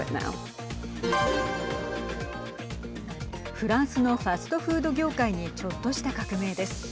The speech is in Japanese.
フランスのファストフード業界にちょっとした革命です。